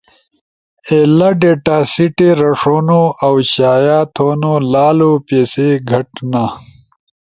لا ڈیتا سیٹے رݜونو اؤ شایع تھونو لالو پیسے گھٹ نا